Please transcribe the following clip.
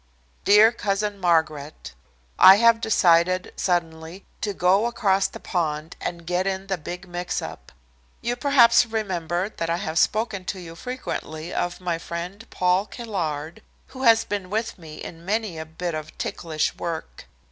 "Dear Cousin Margaret: "I have decided, suddenly, to go across the pond and get in the big mix up. You perhaps remember that I have spoken to you frequently of my friend, Paul Caillard who has been with me in many a bit of ticklish work.